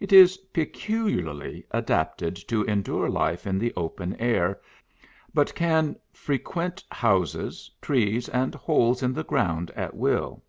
It is peculiarly adapted to endure life in the open air, but can frequent houses, trees, and holes in the ground at will.